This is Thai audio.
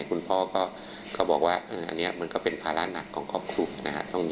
คุณพ่อก็บอกว่ามันก็เป็นภาระหนักของครอบครุู